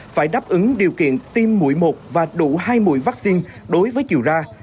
phải đáp ứng điều kiện tiêm mũi một và đủ hai mũi vaccine đối với chiều ra